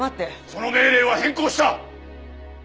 その命令は変更した！